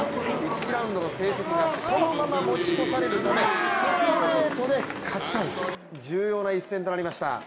１次ラウンドの成績がそのまま持ち越されるためストレートで勝ちたい重要な一戦となりました。